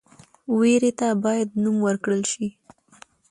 ویرې ته باید نوم ورکړل شي.